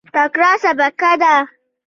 تکړه سبکه ده.